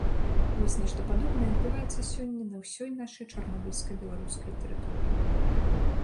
Вось нешта падобнае адбываецца сёння на ўсёй нашай чарнобыльска-беларускай тэрыторыі.